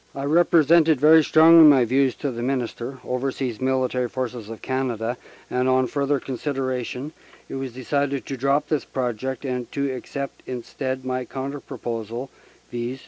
"I represented very strongly my views to the Minister, Overseas Military Forces of Canada, and, on further consider ation, it was decided to drop this project and to accept instead my counter proposal, viz.